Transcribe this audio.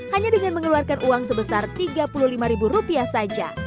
hanya dengan mengeluarkan uang sebesar tiga puluh lima ribu rupiah saja